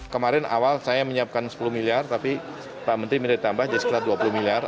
kemarin awal saya menyiapkan sepuluh miliar tapi pak menteri minta tambah jadi sekitar dua puluh miliar